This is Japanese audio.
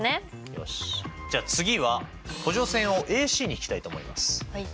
よしじゃあ次は補助線をＡＣに引きたいと思います。